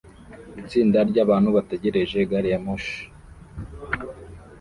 Itsinda ryabantu bategereje gari ya moshi